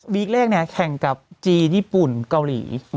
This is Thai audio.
เลขเนี่ยแข่งกับจีนญี่ปุ่นเกาหลี